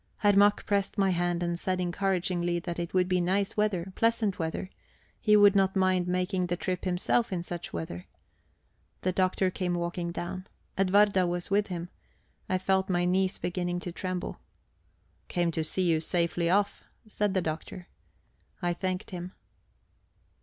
Herr Mack pressed my hand, and said encouragingly that it would be nice weather, pleasant weather; he would not mind making the trip himself in such weather. The Doctor came walking down. Edwarda was with him; I felt my knees beginning to tremble. "Came to see you safely off," said the Doctor. I thanked him.